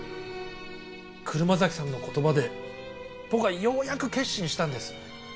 車崎さんの言葉で僕はようやく決心したんです。